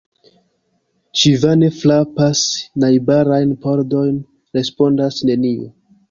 Ŝi vane frapas najbarajn pordojn; respondas neniu.